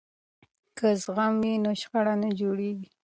که زغم وي نو شخړه نه جوړیږي.